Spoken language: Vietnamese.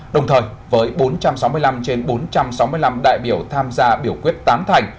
đồng thời với bốn trăm sáu mươi năm trên bốn trăm sáu mươi năm đại biểu tham gia biểu quyết tán thành